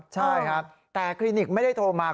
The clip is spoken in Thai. ใช่ครับแต่คลินิกไม่ได้โทรมา